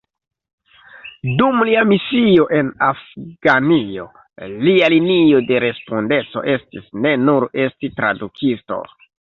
Dum lia misio en Afganio lia linio de respondeco estis ne nur esti tradukisto.